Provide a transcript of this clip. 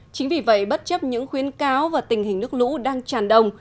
chính vì vậy bất chấp những khuyến cáo và tình hình nước lũ đang tràn đồng